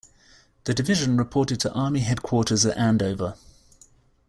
The division reported to Army Headquarters at Andover.